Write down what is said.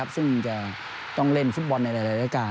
ซึ่งจะต้องเล่นฟุตบอลในหลายรายการ